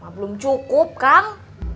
belum cukup kang